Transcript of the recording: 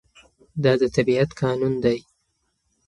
دا د طبيعت قانون دی.